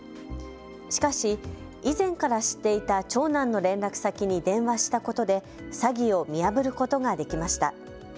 しかし以前から知っていた長男の連絡先に電話したことで詐欺を見破ることができました。